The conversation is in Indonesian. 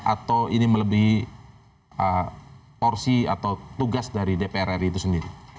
atau ini melebihi porsi atau tugas dari dpr ri itu sendiri